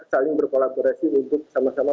saling berkolaborasi untuk sama sama